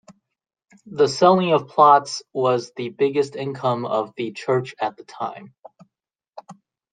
The selling of plots was the biggest income of the church at the time.